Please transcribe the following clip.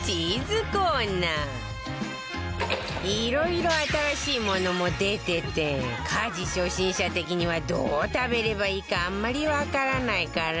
色々新しいものも出てて家事初心者的にはどう食べればいいかあんまりわからないから